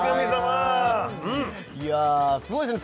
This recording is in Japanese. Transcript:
いやすごいですね